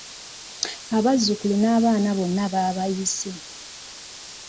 Abazzukulu n’abaana bonna baabayise.